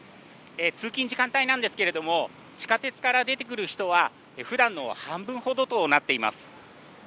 通勤時間帯なんですけれども、地下鉄から出てくる人は、ふだんの半分ほどとなっています。